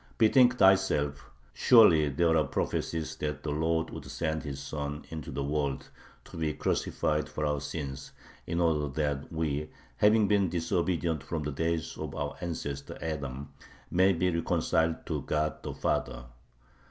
Bethink thyself! Surely there are prophecies that the Lord would send His Son into the world to be crucified for our sins, in order that we, having been disobedient from the days of our ancestor Adam, may be reconciled to God the Father?"